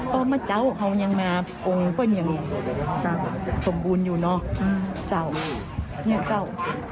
คะม้าเจ้าเขายังนะองค์มันยังสมบูรณ์อยู่น้อจ้าวนี่เจ้า